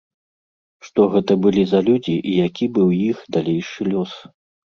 Што гэта былі за людзі і які быў іх далейшы лёс?